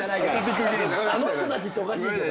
あの人たちっておかしいけど。